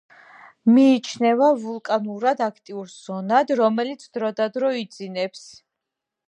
მიიჩნევა ვულკანურად აქტიურ ზონად, რომელიც დროდადრო იძინებს.